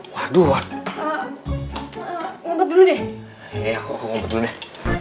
waduh ngompet dulu deh